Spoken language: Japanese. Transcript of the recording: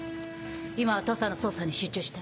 今は土佐の捜査に集中して。